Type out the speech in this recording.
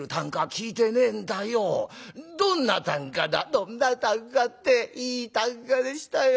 「どんな啖呵っていい啖呵でしたよ。